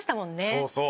そうそう。